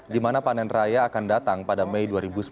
di mana panen raya akan datang pada mei dua ribu sembilan belas